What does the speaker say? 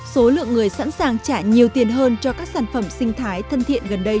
số lượng người sẵn sàng trả nhiều tiền hơn cho các sản phẩm sinh thái thân thiện gần đây